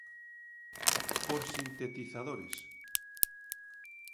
Por sintetizadores.